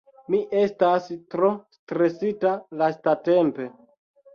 Mi estas tro stresita lastatempe